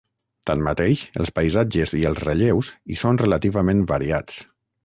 Tanmateix, els paisatges i els relleus hi són relativament variats.